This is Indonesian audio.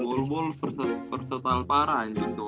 bol bol versatile parah anjing tuh